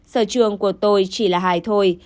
sở trường của tôi chỉ là hài thôi